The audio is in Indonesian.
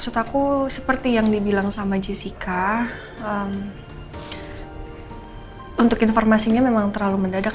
silahkan mbak mbak